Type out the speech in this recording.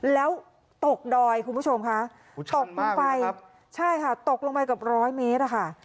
แล้วตกดอยคุณผู้ชมค่ะตกลงไปใช่ค่ะตกลงไปกับร้อยเมตรอะค่ะ